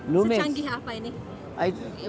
secanggih apa ini